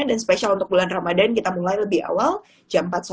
dan spesial untuk bulan ramadhan kita mulai lebih awal jam enam belas